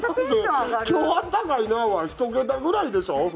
「今日あったかいな」は１桁くらいでしょ？